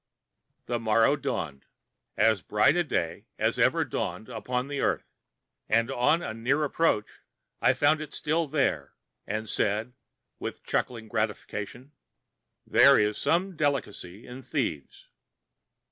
The morrow dawned, as bright a day as ever dawned upon the earth, and on a near approach I found it still there, and said, with chuckling gratification, "There is some delicacy in thieves."